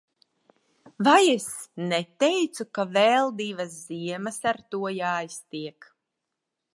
Vai es neteicu, ka vēl divas ziemas ar to jāiztiek.